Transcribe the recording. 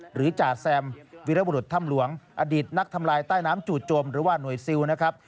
จ่าแซมวิรบุรุษถ้ำหลวงอดีตนักทำลายใต้น้ำจู่จมหรือว่าหน่วยซิลนะครับ